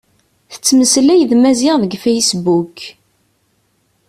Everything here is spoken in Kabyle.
Tettmeslay d Maziɣ deg fasebbuk.